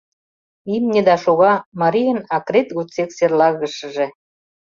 Имне да шога — марийын акрет годсек серлагышыже.